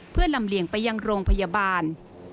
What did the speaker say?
เพื่อลำเลียงไปยังโรงพยาบาล